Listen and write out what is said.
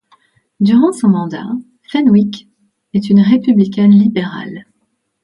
Durant son mandat, Fenwick est une républicaine libérale.